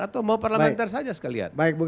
atau mau parlamenter saja sekalian baik